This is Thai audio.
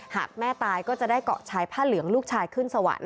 หากแม่ตายก็จะได้เกาะชายผ้าเหลืองลูกชายขึ้นสวรรค์